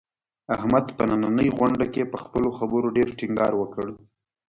احمد په نننۍ غونډه کې، په خپلو خبرو ډېر ټینګار وکړ.